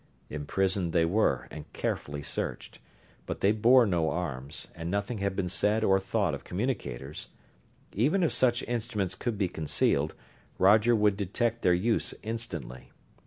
Imprisoned they were, and carefully searched; but they bore no arms, and nothing had been said or thought of communicators. Even if such instruments could be concealed, Roger would detect their use instantly.